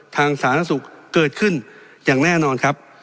สาธารณสุขเกิดขึ้นอย่างแน่นอนครับ